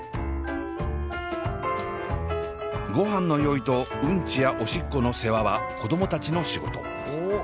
ごはんの用意とうんちやおしっこの世話は子供たちの仕事。